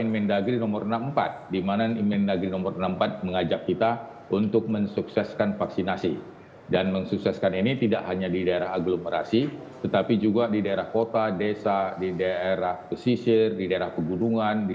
jadi bagi mereka mereka yang tidak vaksin sebaiknya di rumah saja jangan pergi